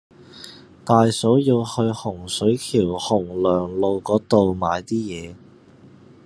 大嫂要去洪水橋洪亮路嗰度買啲嘢